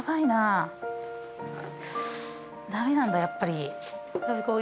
駄目なんだやっぱり。